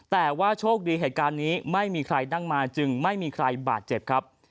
แต่ว่าโชคดีเหตุการณ์นี้ไม่มีใครนั่งมาจึงไม่มีใครบาดเจ็บครับ